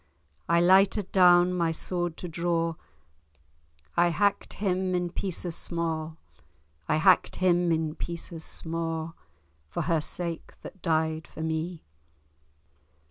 I lighted down my sword to draw, I hacked him in pieces sma', I hacked him in pieces sma', For her sake that died for me.